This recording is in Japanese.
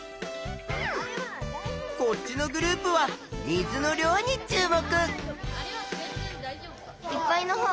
こっちのグループは水の量に注目！